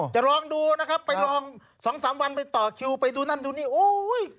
จะลองดูนะครับไปลองสองสามวันไปต่อคิวไปดูนั่นดูนี่โอ้ย